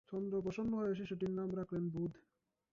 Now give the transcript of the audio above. চন্দ্র প্রসন্ন হয়ে শিশুটির নাম রাখলেন বুধ।